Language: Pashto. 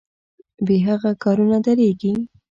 بې هغه کارونه دریږي.